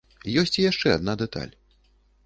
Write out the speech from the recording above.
Ёсць і яшчэ адна дэталь.